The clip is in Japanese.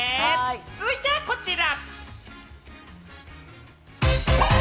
続いてはこちら。